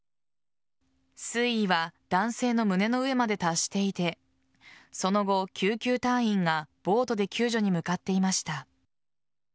水位は男性の胸の上まで達していてその後、救急隊員がボートで救助に向かっていました。